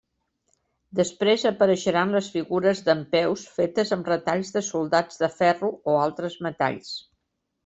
Després apareixeran les figures dempeus fetes amb retalls de soldats de ferro o altres metalls.